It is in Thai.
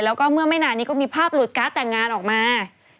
แล้วก็เมื่อไม่นานนี้ก็มีภาพหลุดการ์ดแต่งงานออกมา